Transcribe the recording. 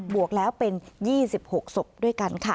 วกแล้วเป็น๒๖ศพด้วยกันค่ะ